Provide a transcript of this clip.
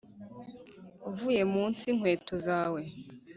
uvuye mu nsi, inkweto zawe